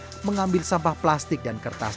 dan mengambil sampah plastik dan kertas